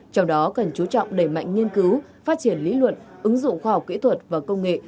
trong đó cần chú trọng đẩy mạnh nghiên cứu phát triển lý luận ứng dụng khoa học kỹ thuật và công nghệ